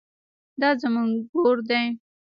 دا زموږ ګور دی